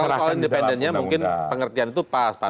ya memang soal independennya mungkin pengertian itu pas pak